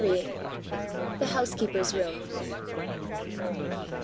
THE HOUSEKEEPER'S ROOM.